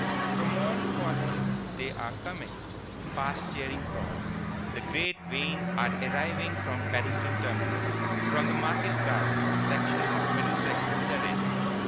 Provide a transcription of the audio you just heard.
From all quarters they are coming, past Charing Cross the great wains are arriving from Paddington Terminal, from the market garden section of Middlesex and Surrey.